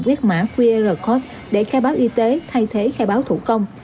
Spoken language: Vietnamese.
quét mã qr code để khai báo y tế thay thế khai báo thủ công